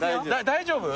大丈夫？